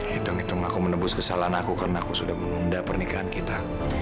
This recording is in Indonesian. hitung hitung aku menebus kesalahan aku karena aku sudah menunda pernikahan kita